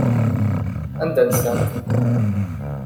Anda nsant?